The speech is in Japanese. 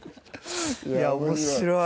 いや面白い。